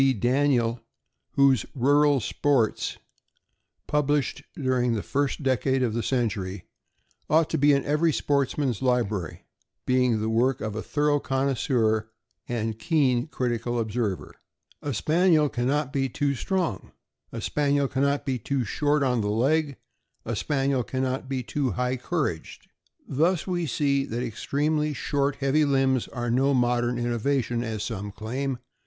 B. Daniel, whose "Rural Sports,9' pub lished during the first decade of the century, ought to be in every sportsman's library, being the work of a thorough connoisseur and keen critical observer, says: UA Spaniel can not be too strong; a Spaniel can not be too short on 330 THE AMERICAN BOOK OF THE DOG. the leg; a Spaniel can nofr be too high couraged." Thus we see that extremely short, heavy limbs are no modern innovation, as some claim.